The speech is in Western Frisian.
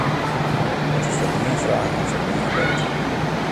Dat is foar dy in fraach en foar my in weet.